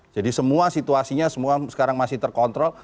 jadi semua situasinya semua sekarang masih terkontrol